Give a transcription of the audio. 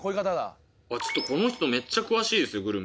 あっちょっとこの人めっちゃ詳しいですよグルメ。